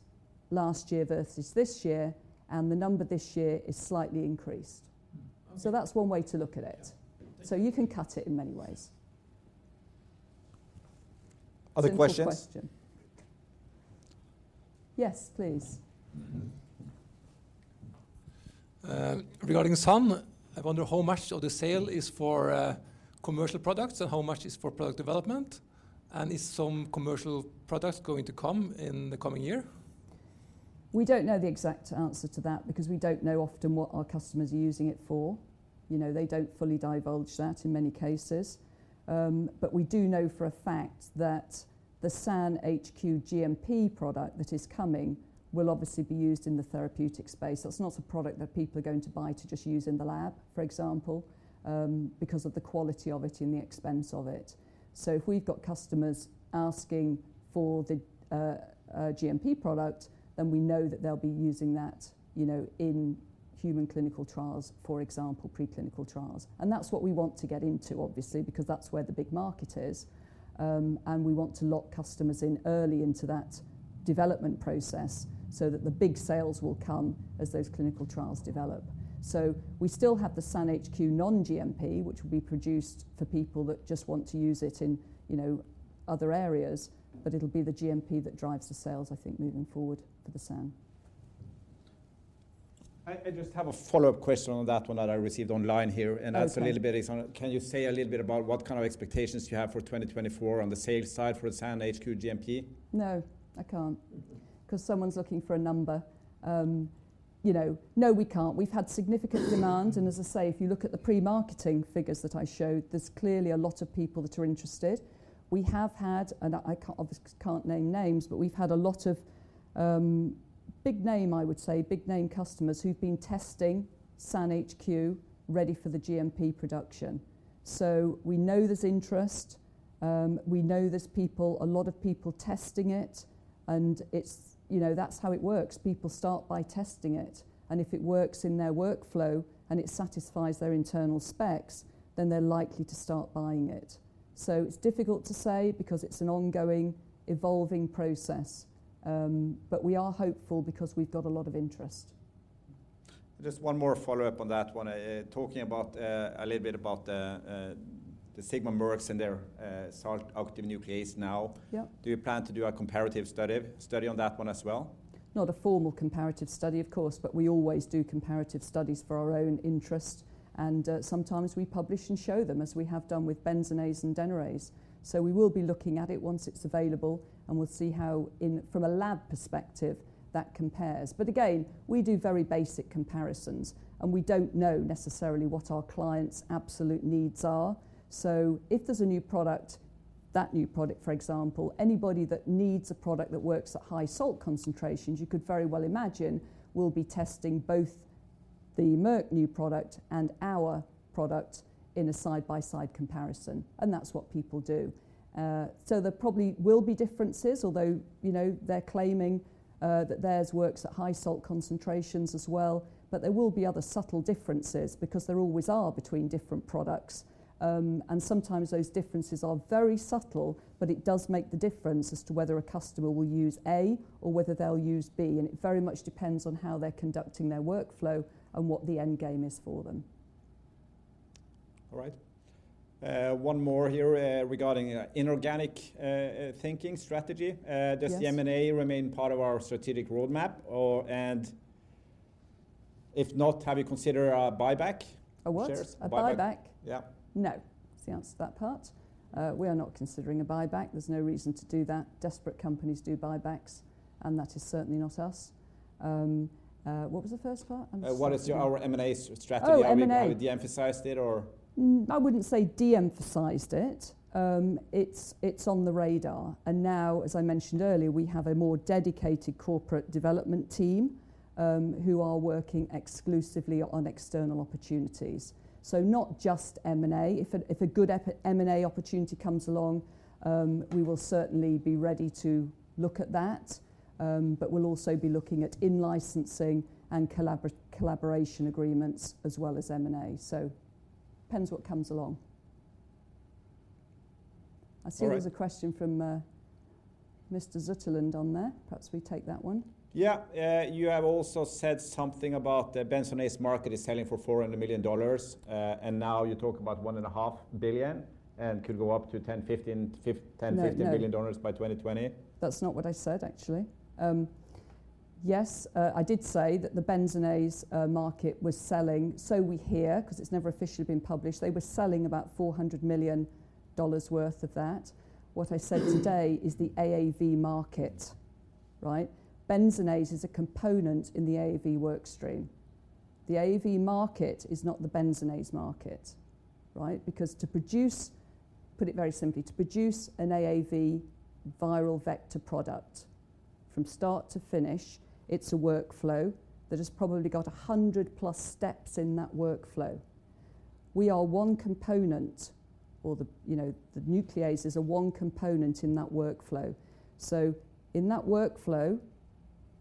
last year versus this year, and the number this year is slightly increased. Okay. That's one way to look at it. Yeah. So you can cut it in many ways. Other questions? Good question. Yes, please. Regarding some, I wonder how much of the sale is for commercial products and how much is for product development? Is some commercial products going to come in the coming year? We don't know the exact answer to that because we don't know often what our customers are using it for. You know, they don't fully divulge that in many cases. But we do know for a fact that the SAN HQ GMP product that is coming will obviously be used in the therapeutic space. So it's not a product that people are going to buy to just use in the lab, for example, because of the quality of it and the expense of it. So if we've got customers asking for the GMP product, then we know that they'll be using that, you know, in human clinical trials, for example, preclinical trials. And that's what we want to get into, obviously, because that's where the big market is. And we want to lock customers in early into that development process so that the big sales will come as those clinical trials develop. So we still have the SAN HQ non-GMP, which will be produced for people that just want to use it in, you know, other areas, but it'll be the GMP that drives the sales, I think, moving forward for the SAN. I just have a follow-up question on that one that I received online here. Okay. And that's a little bit on. Can you say a little bit about what kind of expectations you have for 2024 on the sales side for the SAN HQ GMP? No, I can't. Mm-hmm. 'Cause someone's looking for a number. You know, no, we can't. We've had significant demand, and as I say, if you look at the pre-marketing figures that I showed, there's clearly a lot of people that are interested. We have had, and I can't obviously, can't name names, but we've had a lot of big name, I would say, big name customers who've been testing SAN HQ ready for the GMP production. So we know there's interest, we know there's people, a lot of people testing it, and it's... You know, that's how it works. People start by testing it, and if it works in their workflow and it satisfies their internal specs, then they're likely to start buying it. So it's difficult to say because it's an ongoing, evolving process, but we are hopeful because we've got a lot of interest. Just one more follow-up on that one. Talking about a little bit about the Sigma, Merck's and their salt active nuclease now. Yeah. Do you plan to do a comparative study on that one as well? Not a formal comparative study, of course, but we always do comparative studies for our own interest, and sometimes we publish and show them as we have done with Benzonase and DNase. So we will be looking at it once it's available, and we'll see how in, from a lab perspective, that compares. But again, we do very basic comparisons, and we don't know necessarily what our clients' absolute needs are. So if there's a new product, that new product, for example, anybody that needs a product that works at high salt concentrations, you could very well imagine, will be testing both the Merck new product and our product in a side-by-side comparison, and that's what people do. So there probably will be differences, although, you know, they're claiming that theirs works at high salt concentrations as well. There will be other subtle differences because there always are between different products. Sometimes those differences are very subtle, but it does make the difference as to whether a customer will use A or whether they'll use B, and it very much depends on how they're conducting their workflow and what the end game is for them. All right. One more here, regarding thinking strategy. Yes. Does the M&A remain part of our strategic roadmap? Or, and if not, have you considered a buyback? A what? Shares. A buyback? Yeah. No.... That's the answer to that part. We are not considering a buyback. There's no reason to do that. Desperate companies do buybacks, and that is certainly not us. What was the first part? I'm sorry. What is your, our M&A strategy? Oh, M&A. Have we de-emphasized it, or? I wouldn't say de-emphasized it. It's on the radar, and now, as I mentioned earlier, we have a more dedicated corporate development team who are working exclusively on external opportunities. So not just M&A. If a good M&A opportunity comes along, we will certainly be ready to look at that. But we'll also be looking at in-licensing and collaboration agreements as well as M&A. So depends what comes along. All right- I see there's a question from, Mr. Zutterland on there. Perhaps we take that one. Yeah. You have also said something about the Benzonase market is selling for $400 million, and now you talk about $1.5 billion and could go up to 10, 15, fif- No, no. $10 billion-$15 billion by 2020. That's not what I said, actually. Yes, I did say that the Benzonase, market was selling, so we hear, 'cause it's never officially been published. They were selling about $400 million worth of that. What I said today is the AAV market, right? Benzonase is a component in the AAV work stream. The AAV market is not the Benzonase market, right? Because to produce... Put it very simply, to produce an AAV viral vector product from start to finish, it's a workflow that has probably got 100+ steps in that workflow. We are one component or the, you know, the nuclease is a one component in that workflow. So in that workflow,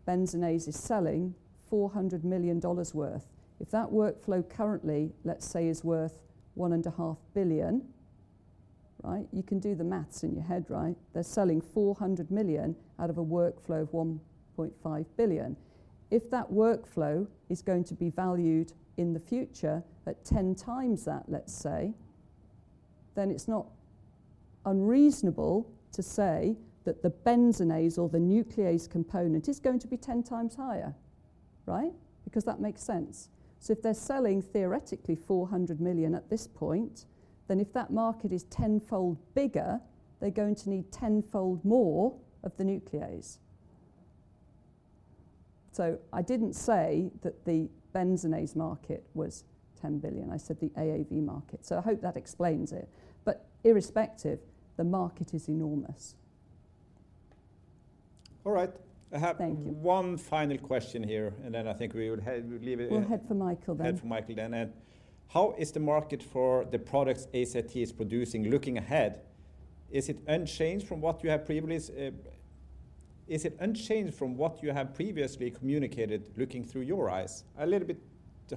Benzonase is selling $400 million worth. If that workflow currently, let's say, is worth $1.5 billion, right? You can do the math in your head, right. They're selling $400 million out of a workflow of $1.5 billion. If that workflow is going to be valued in the future at 10x that, let's say, then it's not unreasonable to say that the Benzonase or the nuclease component is going to be 10x higher, right? Because that makes sense. So if they're selling theoretically $400 million at this point, then if that market is tenfold bigger, they're going to need tenfold more of the nuclease. So I didn't say that the Benzonase market was $10 billion, I said the AAV market. So I hope that explains it, but irrespective, the market is enormous. All right. Thank you. I have one final question here, and then I think we would have, we'd leave it- We'll head for Michael then. Head for Michael then. How is the market for the products AZT is producing looking ahead? Is it unchanged from what you have previous? Is it unchanged from what you have previously communicated, looking through your eyes? A little bit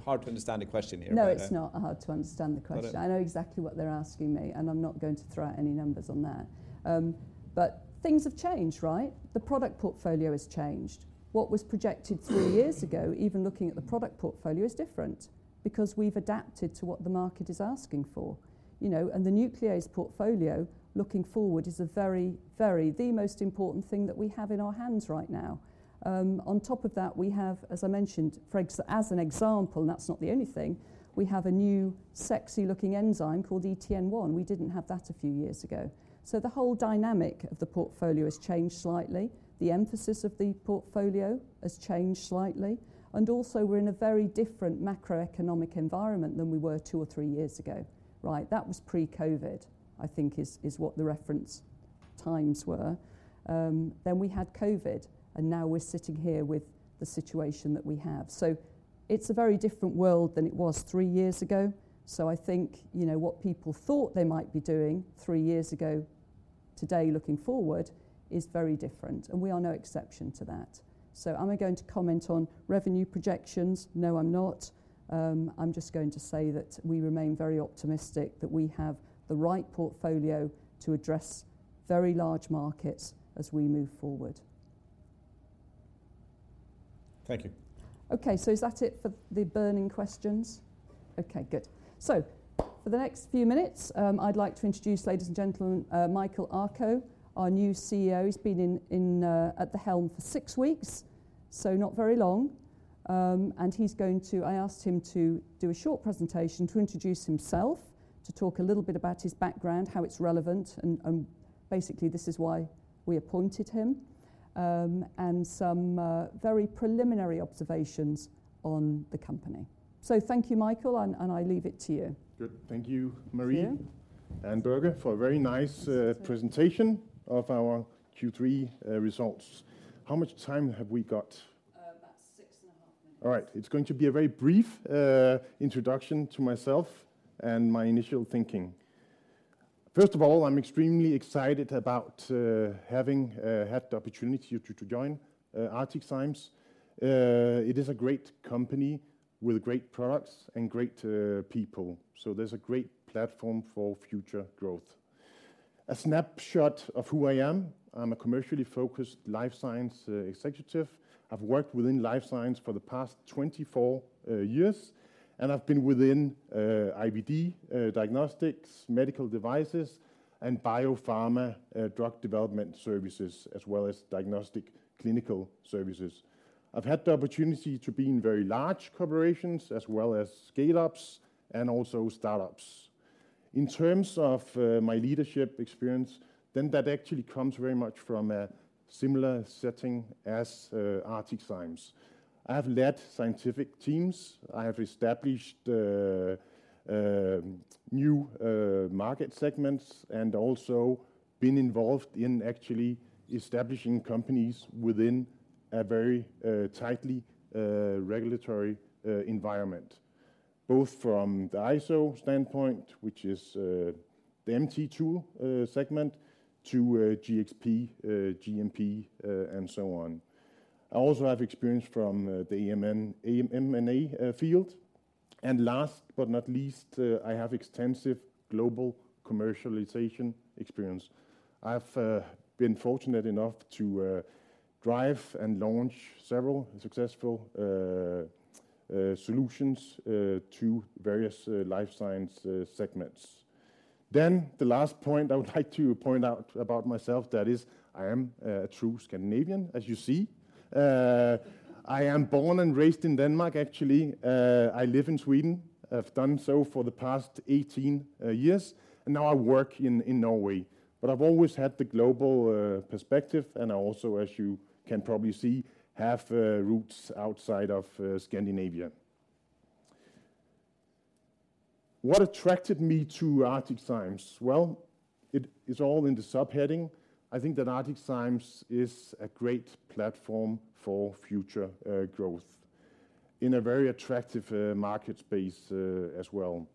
hard to understand the question here, but No, it's not hard to understand the question. All right. I know exactly what they're asking me, and I'm not going to throw out any numbers on that. But things have changed, right? The product portfolio has changed. What was projected three years ago, even looking at the product portfolio, is different because we've adapted to what the market is asking for. You know, and the nuclease portfolio, looking forward, is a very, very, the most important thing that we have in our hands right now. On top of that, we have, as I mentioned, as an example, and that's not the only thing, we have a new sexy-looking enzyme called ETN-1. We didn't have that a few years ago. So the whole dynamic of the portfolio has changed slightly. The emphasis of the portfolio has changed slightly, and also we're in a very different macroeconomic environment than we were two or three years ago, right? That was pre-COVID, I think is what the reference times were. Then we had COVID, and now we're sitting here with the situation that we have. So it's a very different world than it was three years ago. So I think, you know, what people thought they might be doing three years ago, today, looking forward, is very different, and we are no exception to that. So am I going to comment on revenue projections? No, I'm not. I'm just going to say that we remain very optimistic that we have the right portfolio to address very large markets as we move forward. Thank you. Okay, so is that it for the burning questions? Okay, good. So for the next few minutes, I'd like to introduce, ladies and gentlemen, Michael Akoh, our new CEO. He's been at the helm for six weeks, so not very long. And he's going to... I asked him to do a short presentation to introduce himself, to talk a little bit about his background, how it's relevant, and basically, this is why we appointed him, and some very preliminary observations on the company. So thank you, Michael, and I leave it to you. Good. Thank you, Marie- Thank you... and Børge, for a very nice, Yes... presentation of our Q3 results. How much time have we got? About 6.5 minutes. All right. It's going to be a very brief introduction to myself and my initial thinking. First of all, I'm extremely excited about having had the opportunity to join ArcticZymes. It is a great company with great products and great people. So there's a great platform for future growth. A snapshot of who I am. I'm a commercially focused life science executive. I've worked within life science for the past 24 years, and I've been within IVD diagnostics, medical devices, and biopharma drug development services, as well as diagnostic clinical services. I've had the opportunity to be in very large corporations as well as scale-ups and also start-ups. In terms of my leadership experience, then that actually comes very much from a similar setting as ArcticZymes. I have led scientific teams. I have established new market segments and also been involved in actually establishing companies within a very tightly regulatory environment, both from the ISO standpoint, which is the MT tool segment to GXP, GMP, and so on. I also have experience from the AMN-- AM, M&A field. And last but not least, I have extensive global commercialization experience. I've been fortunate enough to drive and launch several successful solutions to various life science segments. Then the last point I would like to point out about myself, that is, I am a true Scandinavian, as you see. I am born and raised in Denmark, actually. I live in Sweden. I've done so for the past 18 years, and now I work in Norway. But I've always had the global perspective and I also, as you can probably see, have roots outside of Scandinavia. What attracted me to ArcticZymes? Well, it is all in the subheading. I think that ArcticZymes is a great platform for future growth in a very attractive market space as well.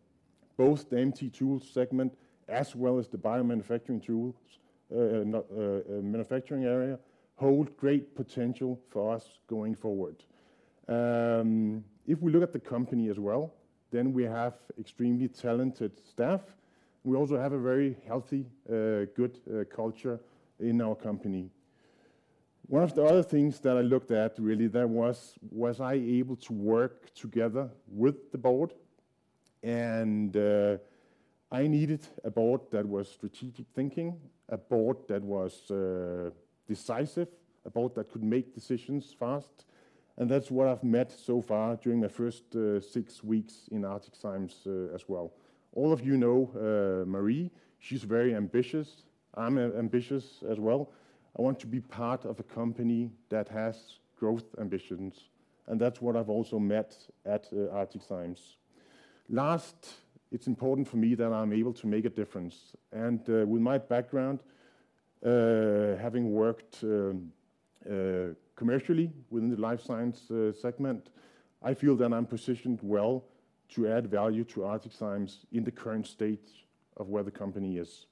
Both the MT tools segment, as well as the biomanufacturing tools manufacturing area, hold great potential for us going forward. If we look at the company as well, then we have extremely talented staff. We also have a very healthy good culture in our company. One of the other things that I looked at, really, was I able to work together with the board? I needed a board that was strategic thinking, a board that was decisive, a board that could make decisions fast, and that's what I've met so far during the first six weeks in ArcticZymes, as well. All of you know Marie. She's very ambitious. I'm ambitious as well. I want to be part of a company that has growth ambitions, and that's what I've also met at ArcticZymes. Last, it's important for me that I'm able to make a difference. With my background, having worked commercially within the life science segment, I feel that I'm positioned well to add value to ArcticZymes in the current state of where the company is.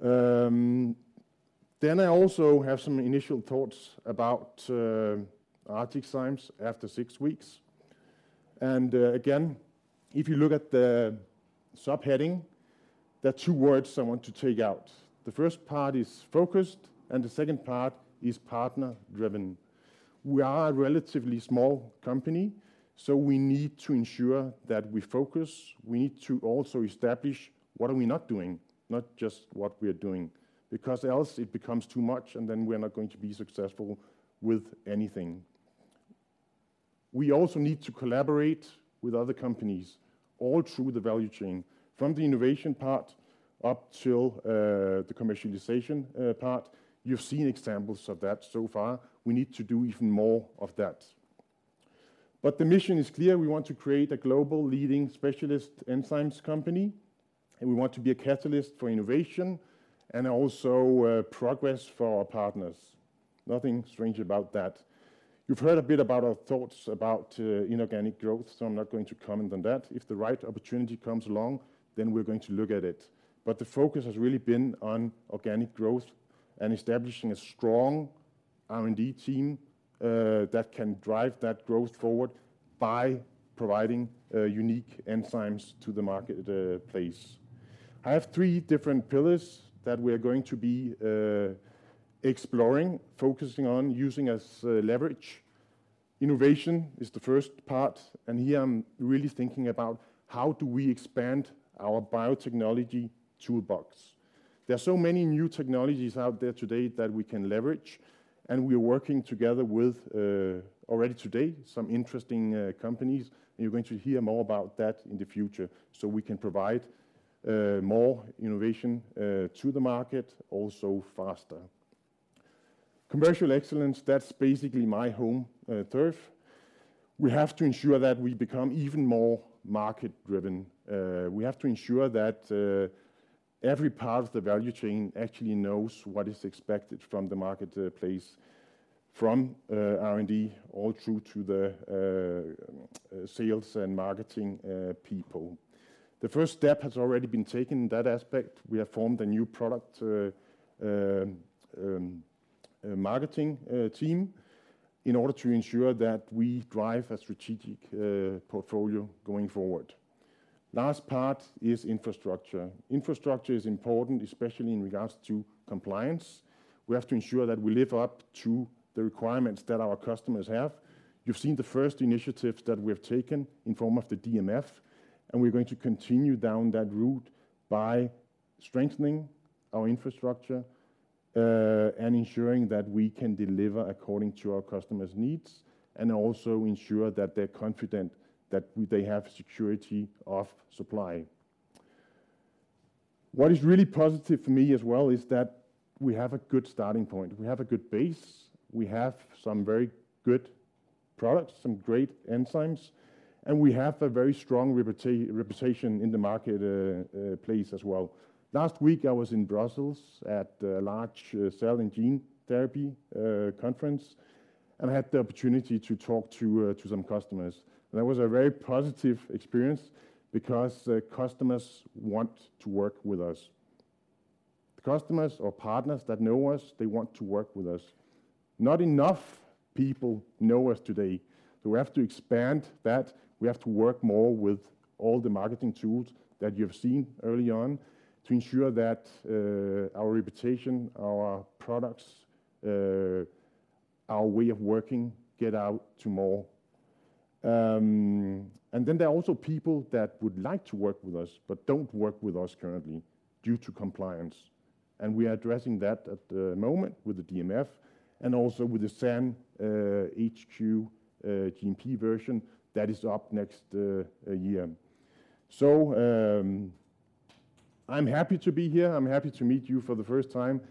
Then I also have some initial thoughts about ArcticZymes after six weeks. Again, if you look at the subheading, there are two words I want to take out. The first part is 'focused,' and the second part is 'partner-driven.' We are a relatively small company, so we need to ensure that we focus. We need to also establish what are we not doing, not just what we are doing, because else it becomes too much and then we're not going to be successful with anything. We also need to collaborate with other companies all through the value chain, from the innovation part up till the commercialization part. You've seen examples of that so far. We need to do even more of that. But the mission is clear: we want to create a global leading specialist enzymes company, and we want to be a catalyst for innovation and also progress for our partners. Nothing strange about that. You've heard a bit about our thoughts about inorganic growth, so I'm not going to comment on that. If the right opportunity comes along, then we're going to look at it. But the focus has really been on organic growth and establishing a strong R&D team that can drive that growth forward by providing unique enzymes to the marketplace. I have three different pillars that we are going to be exploring, focusing on, using as leverage. Innovation is the first part, and here I'm really thinking about: How do we expand our biotechnology toolbox? There are so many new technologies out there today that we can leverage, and we are working together with already today, some interesting companies, and you're going to hear more about that in the future, so we can provide more innovation to the market, also faster. Commercial excellence, that's basically my home turf. We have to ensure that we become even more market-driven. We have to ensure that every part of the value chain actually knows what is expected from the marketplace, from R&D, all through to the sales and marketing people. The first step has already been taken in that aspect. We have formed a new product marketing team in order to ensure that we drive a strategic portfolio going forward. Last part is infrastructure. Infrastructure is important, especially in regards to compliance. We have to ensure that we live up to the requirements that our customers have. You've seen the first initiatives that we have taken in form of the DMF, and we're going to continue down that route by strengthening our infrastructure. Ensuring that we can deliver according to our customers' needs, and also ensure that they're confident that they have security of supply. What is really positive for me as well is that we have a good starting point. We have a good base, we have some very good products, some great enzymes, and we have a very strong reputation in the marketplace as well. Last week, I was in Brussels at a large cell and gene therapy conference, and I had the opportunity to talk to some customers. And that was a very positive experience because customers want to work with us. The customers or partners that know us, they want to work with us. Not enough people know us today, so we have to expand that. We have to work more with all the marketing tools that you've seen early on, to ensure that our reputation, our products, our way of working, get out to more. And then there are also people that would like to work with us, but don't work with us currently due to compliance, and we are addressing that at the moment with the DMF and also with the M-SAN HQ GMP version that is up next year. So, I'm happy to be here. I'm happy to meet you for the first time.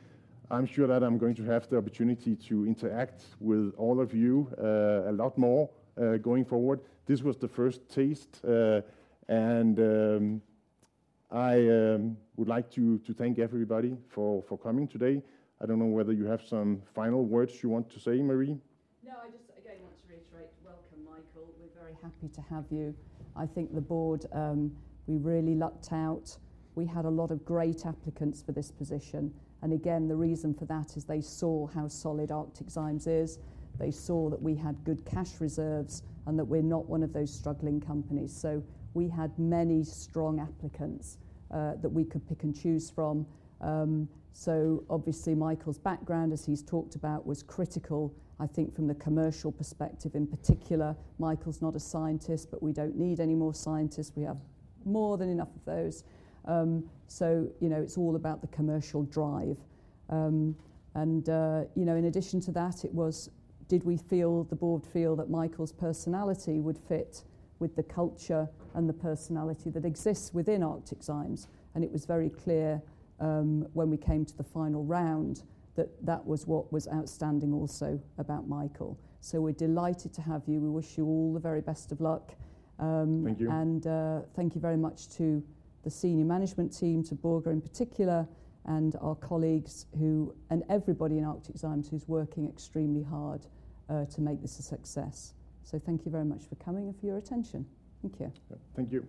I'm sure that I'm going to have the opportunity to interact with all of you a lot more going forward. This was the first taste, and I would like to thank everybody for coming today. I don't know whether you have some final words you want to say, Marie? No, I just again want to reiterate: welcome, Michael. We're very happy to have you. I think the board, we really lucked out. We had a lot of great applicants for this position, and again, the reason for that is they saw how solid ArcticZymes is. They saw that we had good cash reserves and that we're not one of those struggling companies. So we had many strong applicants that we could pick and choose from. So obviously, Michael's background, as he's talked about, was critical, I think from the commercial perspective in particular. Michael's not a scientist, but we don't need any more scientists. We have more than enough of those. So, you know, it's all about the commercial drive. You know, in addition to that, it was—did we feel, the board feel that Michael's personality would fit with the culture and the personality that exists within ArcticZymes? And it was very clear when we came to the final round that that was what was outstanding also about Michael. So we're delighted to have you. We wish you all the very best of luck. Thank you. And, thank you very much to the senior management team, to Børge in particular, and our colleagues and everybody in ArcticZymes Technologies who's working extremely hard, to make this a success. So thank you very much for coming and for your attention. Thank you. Thank you.